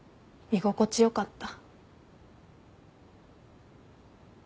居心地良かった。